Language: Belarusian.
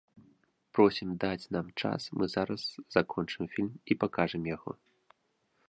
Просім даць нам час, мы зараз закончым фільм і пакажам яго.